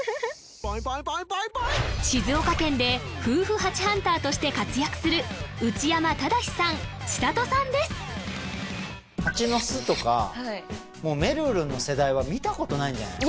静岡県で夫婦ハチハンターとして活躍するハチの巣とかもうめるるの世代は見たことないんじゃない？